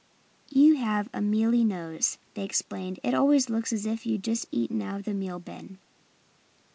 "You have a mealy nose," they explained. "It always looks as if you'd just eaten out of the meal bin."